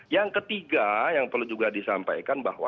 yang ketiga yang perlu juga disampaikan bahwa